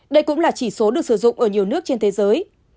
đây cũng là chỉ số được sử dụng ở nhiều nước trên thế giới